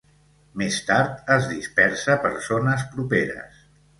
Més tard es dispersa per zones properes.